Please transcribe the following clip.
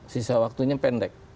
sisa waktunya pendek